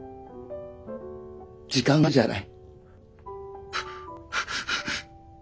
時間があるじゃない。